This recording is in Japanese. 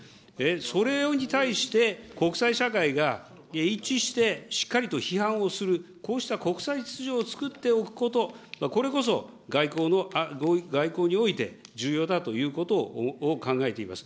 それに対して国際社会が一致してしっかりと批判をする、こうした国際秩序を作っておくこと、これこそ外交の、外交において重要だということを考えています。